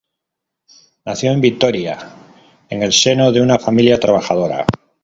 Nació en Vitoria en el seno de una familia trabajadora.